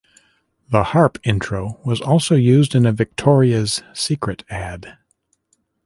The harp intro was also used in a Victoria's Secret ad.